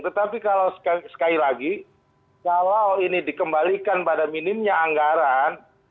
tetapi kalau sekali lagi kalau ini dikembalikan pada minimnya anggaran